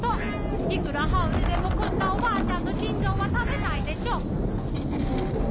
いくらハウルでもこんなおばあちゃんの心臓は食べないでしょ。